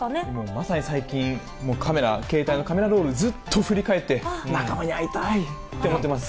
まさに最近、もうカメラ、携帯のカメラロール、ずっと振り返って、仲間に会いたいって思ってます。